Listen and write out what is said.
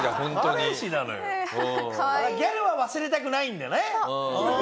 ギャルは忘れたくないんだね？